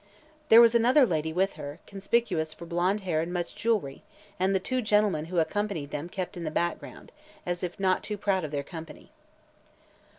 There was another lady with her, conspicuous for blonde hair and much jewelry, and the two gentlemen who accompanied them kept in the background, as if not too proud of their company.